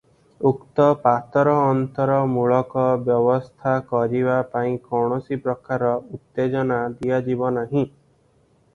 ଉକ୍ତ ପାତରଅନ୍ତରମୂଳକ ବ୍ୟବସ୍ଥା କରିବା ପାଇଁ କୌଣସି ପ୍ରକାର ଉତ୍ତେଜନା ଦିଆଯିବ ନାହିଁ ।